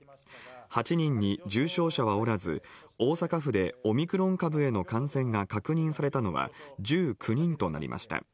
８人に重症者はおらず大阪府でオミクロン株への感染が確認されたのは１９人となりました。